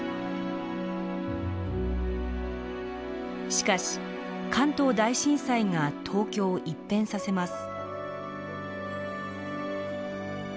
しかし関東大震災が東京を一変させます。